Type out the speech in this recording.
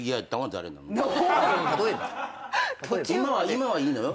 今はいいのよ。